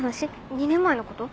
２年前のこと？